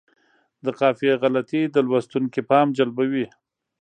د قافیې غلطي د لوستونکي پام جلبوي.